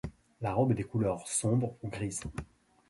La robe est de couleur sombre, ou grise.